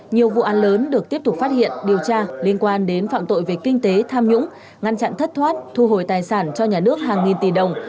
nhiều vụ án lớn được tiếp tục phát hiện điều tra liên quan đến phạm tội về kinh tế tham nhũng ngăn chặn thất thoát thu hồi tài sản cho nhà nước hàng nghìn tỷ đồng